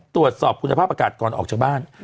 ตรวจสอบคุณภาพอากาศก่อนออกจากบ้าน